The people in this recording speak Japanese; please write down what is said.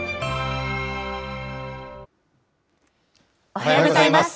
おはようございます。